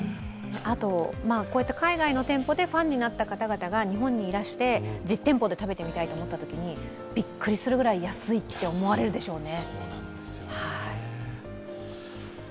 あと、こういった海外の店舗でファンになった方が日本にいらして、実店舗で食べてみたいと思ったときに、びっくりするぐらい安いと思われるでしょうね。